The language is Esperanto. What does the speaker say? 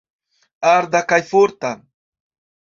Arda kaj forta.